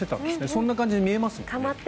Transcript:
そんな感じに見えますね。